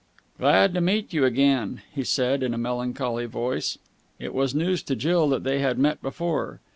"Glad to meet you again," he said in a melancholy voice. It was news to Jill that they had met before.